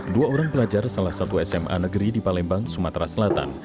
dua orang pelajar salah satu sma negeri di palembang sumatera selatan